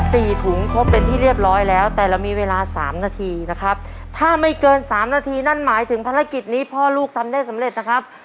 ถุงครบเป็นที่เรียบร้อยแล้วแต่เรามีเวลาสามนาทีนะครับถ้าไม่เกินสามนาทีนั่นหมายถึงภารกิจนี้พ่อลูกทำได้สำเร็จนะครับ